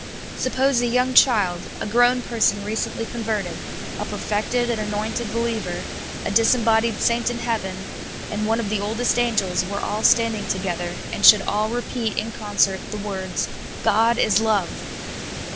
Suppose a j oung child, a grown person recentl}^ converted, a perfected and anointed be liever, a disembodied saint in heaven, and one of the oldest angels, were all standing together, and should all repeat in concert the words, " God is love